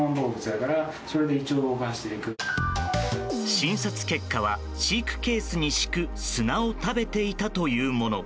診察結果は飼育ケースに敷く砂を食べていたというもの。